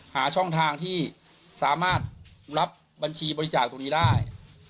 หาช่องทางที่สามารถรับบัญชีบริจาคตรงนี้ได้